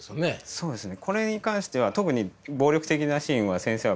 そうですね。